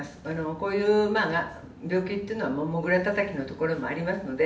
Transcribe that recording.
こういう病気っていうのは、もぐらたたきのところもありますので。